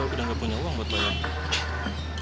gue udah gak punya uang buat banyak